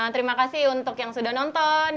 terima kasih untuk yang sudah nonton